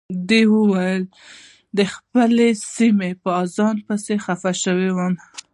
ده وویل د خپلې سیمې په اذان پسې خپه شوی یم.